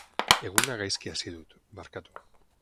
Eguna gaizki hasi dut, barkatu.